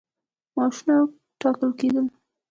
معاشونه ټاکل کېدل.